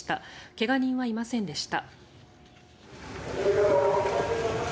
怪我人はいませんでした。